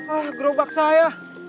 ah gerobak saya